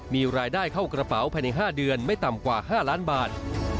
มีรายได้เข้ากระเป๋าภายใน๕เดือนไม่ต่ำกว่า๕ล้านบาท